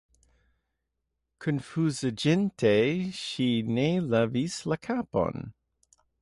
Konfuziĝinte, ŝi ne levis la kapon.